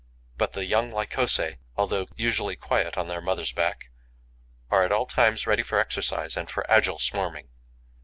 But the young Lycosae, although usually quiet on their mother's back, are at all times ready for exercise and for agile swarming.